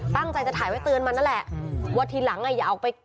ตั้งใจจะถ่ายไว้เตือนมันนั่นแหละว่าทีหลังอ่ะอย่าออกไป